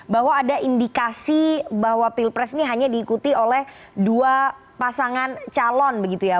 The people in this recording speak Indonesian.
bahwa ada indikasi bahwa pilpres ini hanya diikuti oleh dua pasangan calon begitu ya